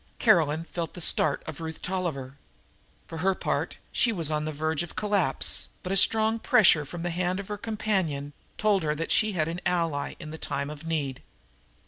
Caroline felt the start of Ruth Tolliver. For her part she was on the verge of collapse, but a strong pressure from the hand of her companion told her that she had an ally in the time of need.